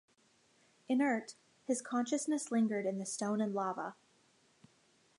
Inert, his consciousness lingered in the stone and lava.